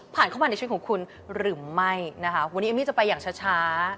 ผ่านเข้ามาในช่วงของคุณหรือไม่วันนี้เอมมี่จะไปอย่างช้า